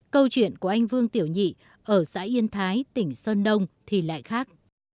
câu chuyện của anh vương tiểu nhị ở xã yên thái tỉnh sơn đông thì lại khác